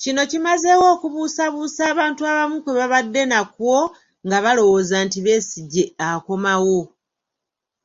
Kino kimazeewo okubuusabuusa abantu abamu kwe babadde nakwo nga balowooza nti Besigye akomawo.